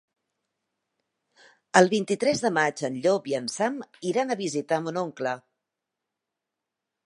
El vint-i-tres de maig en Llop i en Sam iran a visitar mon oncle.